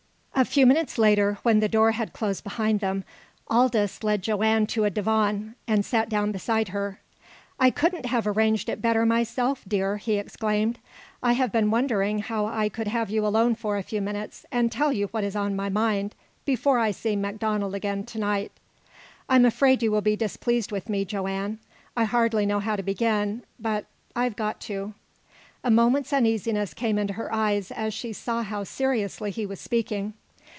A few minutes later, when the door had closed behind them, Aldous led Joanne to a divan, and sat down beside her. "I couldn't have arranged it better myself, dear," he exclaimed. "I have been wondering how I could have you alone for a few minutes, and tell you what is on my mind before I see MacDonald again to night. I'm afraid you will be displeased with me, Joanne. I hardly know how to begin. But I've got to." A moment's uneasiness came into her eyes as she saw how seriously he was speaking.